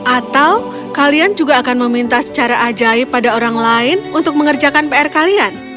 atau kalian juga akan meminta secara ajaib pada orang lain untuk mengerjakan pr kalian